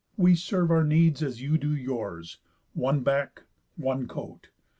We serve our needs As you do yours; one back, one coat.